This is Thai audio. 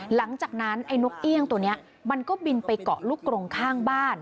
หลังจากนั้นไอ้นกเอี่ยงตัวนี้มันก็บินไปเกาะลูกกรงข้างบ้าน